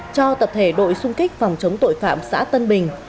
cho tập thể đội xung kích phòng chống tội phạm xã tân bình